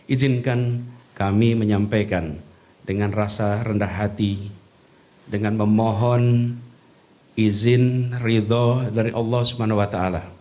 izinkan kami menyampaikan dengan rasa rendah hati dengan memohon izin ridho dari allah swt